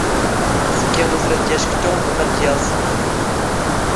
ⵣⴳⴳⵉⵖ ⵎⴰⵙ ⵔⴰⴷ ⴷ ⵢⴰⵛⴽ ⵜⵓⵎ ⵖ ⵎⴰⴷ ⴷ ⵢⴰⵥⵥⵏ.